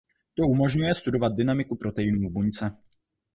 To umožňuje studovat dynamiku proteinů v buňce.